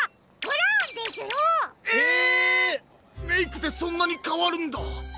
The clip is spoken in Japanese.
メイクでそんなにかわるんだ。